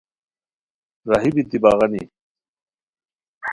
راہی بیتی بغانی